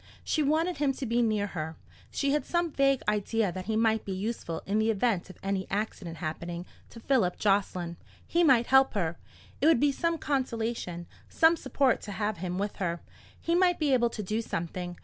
She wanted him to be near her. She had some vague idea that he might be useful in the event of any accident happening to Philip Jocelyn. He might help her. It would be some consolation, some support to have him with her. He might be able to do something.